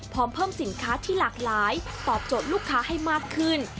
เพิ่มสินค้าที่หลากหลายตอบโจทย์ลูกค้าให้มากขึ้น